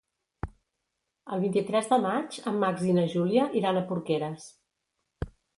El vint-i-tres de maig en Max i na Júlia iran a Porqueres.